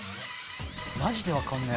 マジで分かんねえ。